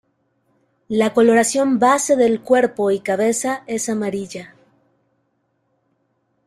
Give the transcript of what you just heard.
La coloración base del cuerpo y cabeza es amarilla.